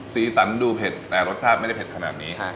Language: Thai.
สีสันดูเผ็ดแต่รสชาติไม่ได้เผ็ดขนาดนี้